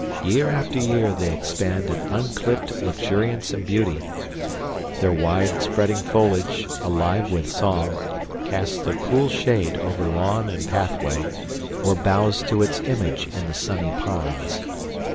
Year after year they expand in unclipped luxuriance and beauty; their wide spreading foliage, alive with song, casts a cool shade over lawn and pathway or bows to its image in the sunny ponds.